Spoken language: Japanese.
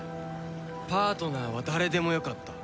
パートナーは誰でもよかった。